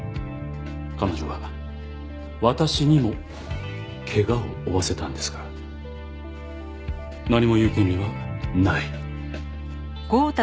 彼女は私にも怪我を負わせたんですから何も言う権利はない。